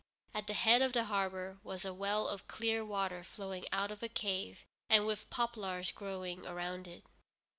At the head of the harbor was a well of clear water flowing out of a cave, and with poplars growing around it.